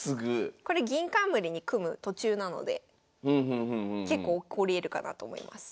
これ銀冠に組む途中なので結構起こりえるかなと思います。